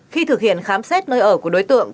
khi thực hiện khám xét nơi ở của đối tượng